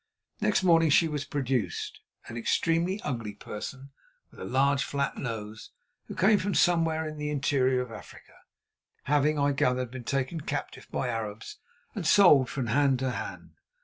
Next morning she was produced, an extremely ugly person with a large, flat nose, who came from somewhere in the interior of Africa, having, I gathered, been taken captive by Arabs and sold from hand to hand.